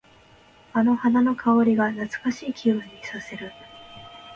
あの花の香りが懐かしい気分にさせる。